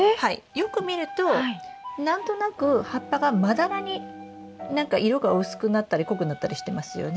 よく見るとなんとなく葉っぱがまだらに何か色が薄くなったり濃くなったりしてますよね？